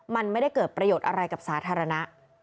มันไม่ได้เกิดประโยชน์อะไรกับสาธารณะ